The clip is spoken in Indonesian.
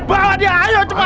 balah dia ayo cepet